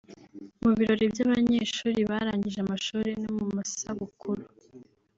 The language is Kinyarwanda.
mu birori by’abanyeshuri barangije amashuri no mu masabukuru